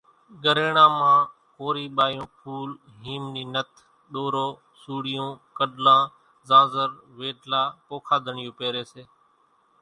ڳريڻان مان ڪورِي ٻايوُن ڦُول، هيم نِي نٿ، ۮورو، سوڙِيون، ڪڏلان، زانزر، ويڍلا، پوکانۮڙِيون پيريَ سي۔